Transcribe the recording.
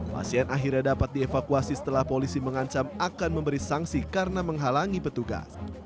pasien akhirnya dapat dievakuasi setelah polisi mengancam akan memberi sanksi karena menghalangi petugas